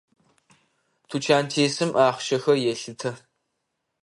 Тучантесым ахъщэхэр елъытэ.